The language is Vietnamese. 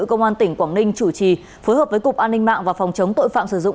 công an tỉnh quảng ninh chủ trì phối hợp với cục an ninh mạng và phòng chống tội phạm sử dụng